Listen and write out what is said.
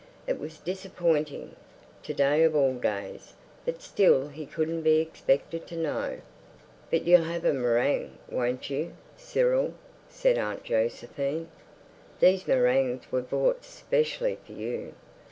It was disappointing—to day of all days. But still he couldn't be expected to know. "But you'll have a meringue, won't you, Cyril?" said Aunt Josephine. "These meringues were bought specially for you.